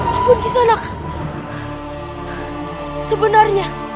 aku sanjang lodanya